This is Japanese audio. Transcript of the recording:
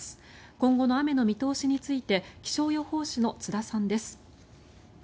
今後の雨の見通しについて気象予報士の津田さんです。